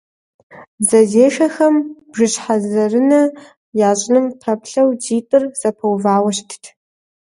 Дзэзешэхэм бжыщхьэзэрынэ ящӀыным пэплъэу дзитӀыр зэпэувауэ щытт.